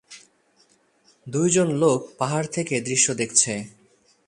দুইজন লোক পাহাড় থেকে দৃশ্য দেখছে